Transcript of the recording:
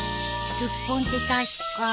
スッポンって確か。